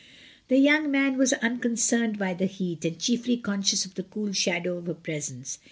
The young man was unconcerned by the heat, and chiefly conscious of the cool shadow of her presence.